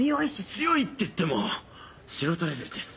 強いっていっても素人レベルです。